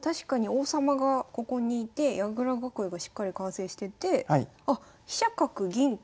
王様がここにいて矢倉囲いがしっかり完成しててあっそうですね。